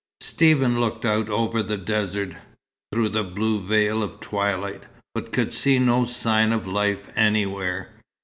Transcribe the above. Stephen looked out over the desert, through the blue veil of twilight, but could see no sign of life anywhere.